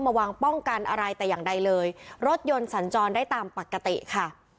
มาวางป้องกันอะไรแต่อย่างใดเลยรถยนต์สัญจรได้ตามปกติค่ะ